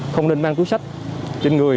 không nên mang túi sách trên người